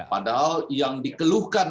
padahal yang dikeluhkan